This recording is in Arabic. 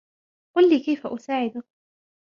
قل لي كيف أساعدك.